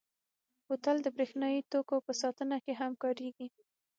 بوتل د برېښنايي توکو په ساتنه کې هم کارېږي.